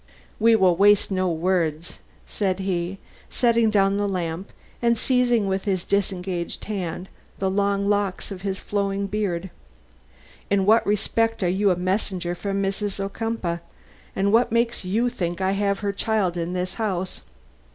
"We will waste no words," said he, setting down the lamp, and seizing with his disengaged hand the long locks of his flowing beard. "In what respect are you a messenger from Mrs. Ocumpaugh, and what makes you think I have her child in this house?"